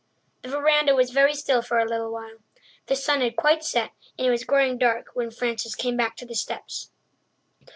The verandah was very still for a little while. The sun had quite set, and it was growing dark when Frances came back to the steps.